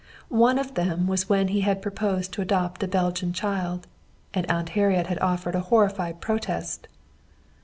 One of them was when he had proposed to adopt a Belgian child, and Aunt Harriet had offered horrified protest.